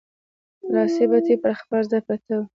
لاسي بتۍ پر خپل ځای پرته وه.